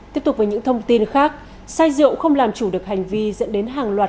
tiếp tục với những thông tin khác sai diệu không làm chủ được hành vi dẫn đến hàng loạt